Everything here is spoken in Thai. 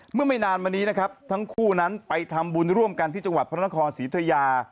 เมื่อไม่นานมันนี้ทั้งคู่นั้นไปทำบุญร่วมกันที่จังหวัดพนครสิทธยา